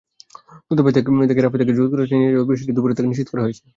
দূতাবাস থেকে রাফিদাকে যুক্তরাষ্ট্রে নিয়ে যাওয়ার বিষয়টি দুপুরে তাঁকে নিশ্চিত করা হয়েছে।